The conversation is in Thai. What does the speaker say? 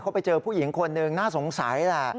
เขาไปเจอผู้หญิงคนหนึ่งน่าสงสัยแหละ